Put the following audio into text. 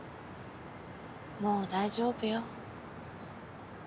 もう大丈夫よ。